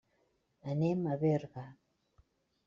Anem a Berga.